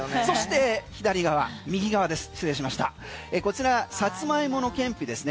そして右側サツマイモのけんぴですね